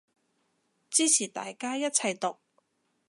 支持大家一齊毒